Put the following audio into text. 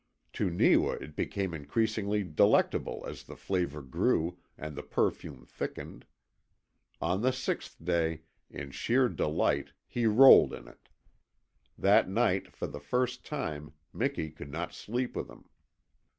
To Neewa it became increasingly delectable as the flavour grew and the perfume thickened. On the sixth day, in sheer delight, he rolled in it. That night, for the first time, Miki could not sleep with him.